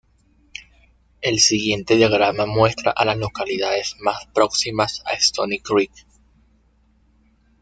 El siguiente diagrama muestra a las localidades más próximas a Stony Creek.